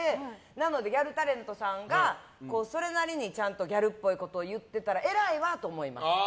なので、ギャルタレントさんがそれなりにちゃんとギャルっぽいことを言ってたらえらいわと思います。